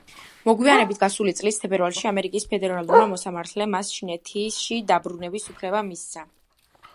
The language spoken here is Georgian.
მოგვიანებით, გასული წლის თებერვალში, ამერიკის ფედერალურმა მოსამართლემ მას ჩინეთში დაბრუნების უფლება მისცა.